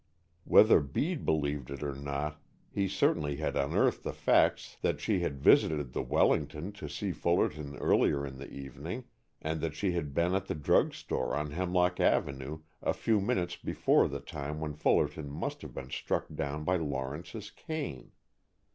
Whether Bede believed it or not, he certainly had unearthed the facts that she had visited the Wellington to see Fullerton earlier in the evening, and that she had been at the drug store on Hemlock Avenue a few minutes before the time when Fullerton must have been struck down by Lawrence's cane.